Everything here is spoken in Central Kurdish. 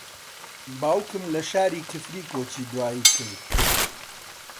باوکم لە شاری کفری کۆچی دوایی کرد.